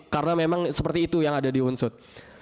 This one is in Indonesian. karena memang seperti itu yang ada di unsur